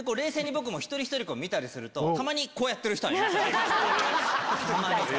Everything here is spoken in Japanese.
一人一人見たりするとたまにこうやってる人はいます。